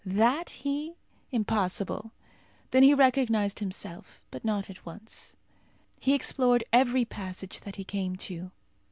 That he? Impossible! Then he recognized himself, but not at once. He explored every passage that he came to.